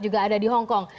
juga ada di hongkong